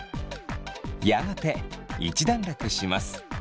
やがて一段落します。